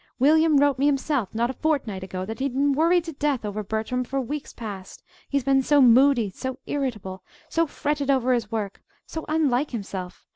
William wrote me himself not a fortnight ago that he'd been worried to death over Bertram for weeks past, he's been so moody, so irritable, so fretted over his work, so unlike himself.